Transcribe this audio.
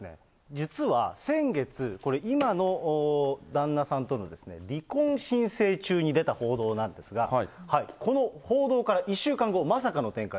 実は先月、これ、今の旦那さんとの離婚申請中に出た報道なんですが、この報道から１週間後、まさかの展開。